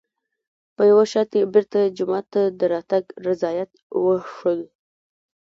په یوه شرط یې بېرته جومات ته د راتګ رضایت وښود.